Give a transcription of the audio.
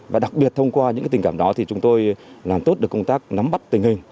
và đặc biệt thông qua những tình cảm đó thì chúng tôi làm tốt được công tác nắm bắt tình hình